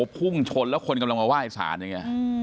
พุ่งชนแล้วคนกำลังมาไหว้สารอย่างนี้